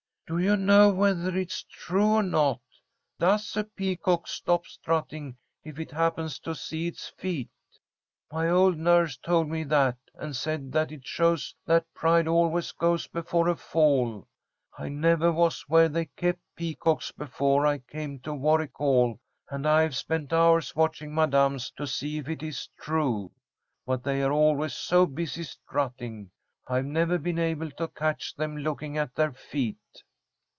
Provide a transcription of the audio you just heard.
"Do you know whether it's true or not? Does a peacock stop strutting if it happens to see its feet? My old nurse told me that, and said that it shows that pride always goes before a fall. I never was where they kept peacocks before I came to Warwick Hall, and I've spent hours watching Madam's to see if it is true. But they are always so busy strutting, I've never been able to catch them looking at their feet."